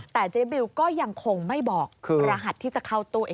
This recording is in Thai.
แต่เจ๊บิวก็ยังคงไม่บอกคือรหัสที่จะเข้าตัวเอง